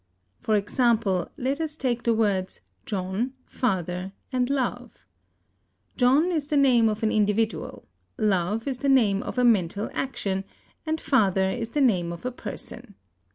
For example, let us take the words John, father, and love. John is the name of an individual; love is the name of a mental action, and father the name of a person.